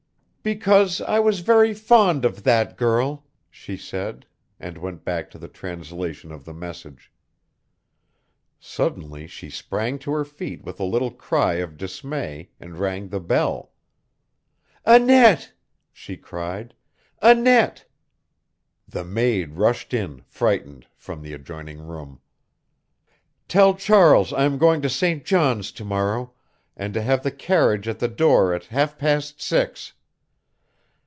"Because I was very fond of that girl!" she said, and went back to the translation of the message. Suddenly she sprang to her feet with a little cry of dismay and rang the bell. "Annette!" she cried. "Annette!" The maid rushed in, frightened, from the adjoining room. "Tell Charles I am going to St. John's to morrow, and to have the carriage at the door at half past six.